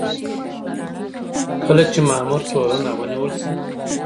کله چې مامور تورن او ونیول شي.